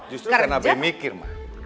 justru karena be mikir ma